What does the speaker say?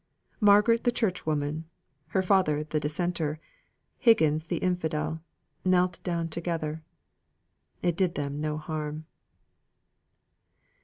Margaret the Churchwoman, her father the Dissenter, Higgins the Infidel, knelt down together. It did them no harm.